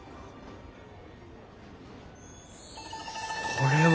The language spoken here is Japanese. これは。